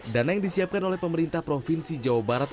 dana yang disiapkan oleh pemerintah provinsi jawa barat